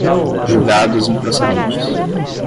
julgados improcedentes